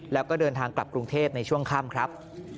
แล้วก็เดินทางกลับกรุงเทพในช่วงค่ำครับ